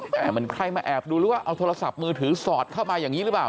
แต่มันใครมาแอบดูหรือว่าเอาโทรศัพท์มือถือสอดเข้ามาอย่างนี้หรือเปล่า